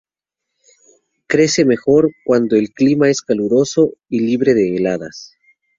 Crece mejor cuando el clima es caluroso y libre de heladas.